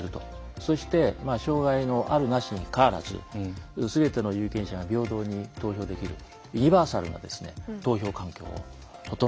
そして障害のあるなしにかかわらずすべての有権者が平等に投票できるユニバーサルな投票環境を整えていく。